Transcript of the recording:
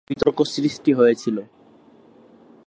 তার বিয়ে নিয়ে বিতর্ক সৃষ্টি হয়েছিল।